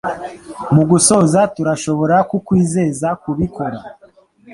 Mugusoza turashobora kukwizeza kubikora